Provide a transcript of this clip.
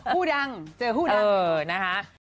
ฮู้ดังเจอฮู้ดัง